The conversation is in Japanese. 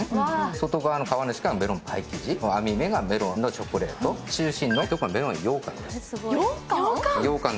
外側の皮にしたメロンパイ生地網目がメロンのチョコレート中心のメロンのようかんようかん？